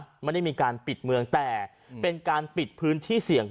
ไม่ได้มีการปิดเมืองแต่เป็นการปิดพื้นที่เสี่ยง